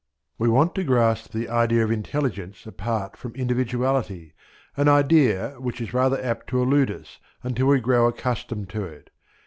We want to grasp the idea of intelligence apart from individuality, an idea which is rather apt to elude us until we grow accustomed to it.